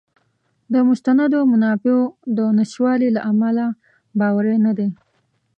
د مستندو منابعو د نشتوالي له امله باوری نه دی.